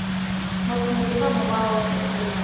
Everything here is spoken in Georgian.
მოქმედება მომავალში ხდება.